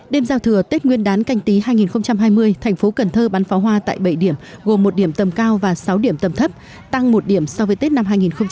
đêm giao thừa tết nguyên đán canh tí hai nghìn hai mươi thành phố cần thơ bắn pháo hoa tại bảy điểm gồm một điểm tầm cao và sáu điểm tầm thấp tăng một điểm so với tết năm hai nghìn hai mươi